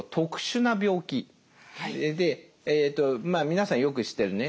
皆さんよく知ってるね